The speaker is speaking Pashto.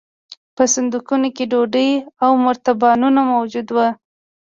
په صندوقونو کې ډوډۍ او مرتبانونه موجود وو